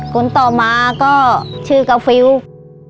คนต่อมาก็ชื่อกาฟิว